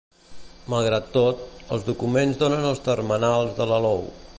Malgrat tot, els documents donen els termenals de l'alou.